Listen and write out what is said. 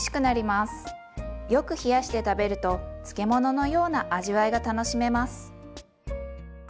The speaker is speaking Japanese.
よく冷やして食べると漬物のような味わいが楽しめます。